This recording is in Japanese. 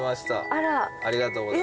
ありがとうございます。